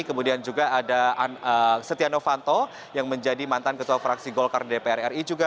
kemudian juga ada setia novanto yang menjadi mantan ketua fraksi golkar dpr ri juga